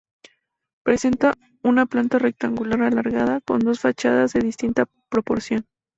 Presenta una planta rectangular alargada, con dos fachadas de distinta proporción.